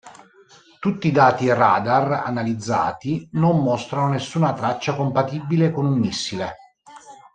Tutti i dati radar analizzati non mostrarono nessuna traccia compatibile con un missile.